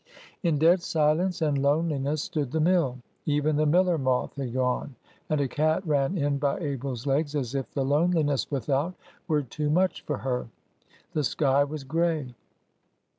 In dead silence and loneliness stood the mill. Even the miller moth had gone; and a cat ran in by Abel's legs, as if the loneliness without were too much for her. The sky was gray.